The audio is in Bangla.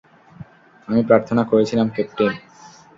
আমি প্রার্থনা করেছিলাম, ক্যাপ্টেন।